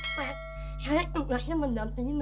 masih gue siap siap piring ini